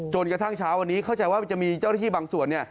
จนกระทั่งเช้าวันนี้เข้าใจว่าจะมีเจ้าหน้าที่บางส่วน